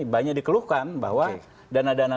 banyak dikeluhkan bahwa dana dana